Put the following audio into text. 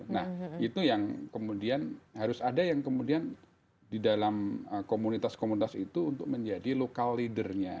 nah itu yang kemudian harus ada yang kemudian di dalam komunitas komunitas itu untuk menjadi local leadernya